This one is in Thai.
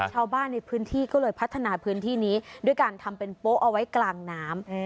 ชาวบ้านในพื้นที่ก็เลยพัฒนาพื้นที่นี้ด้วยการทำเป็นโป๊ะเอาไว้กลางน้ำ